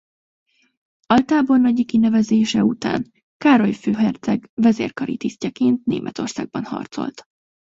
Altábornagyi kinevezése után Károly főherceg vezérkari tisztjeként Németországban harcolt.